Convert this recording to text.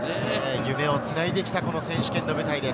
夢をつないできた選手権の舞台です。